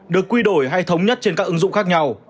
được quy đổi hay thống nhất trên các ứng dụng khác nhau